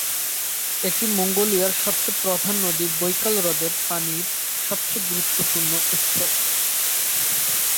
এটি মঙ্গোলিয়ার সবচেয়ে প্রধান নদী বৈকাল হ্রদের পানির সবচেয়ে গুরুত্বপূর্ণ উৎস।